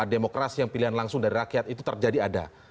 demokrasi yang pilihan langsung dari rakyat itu terjadi ada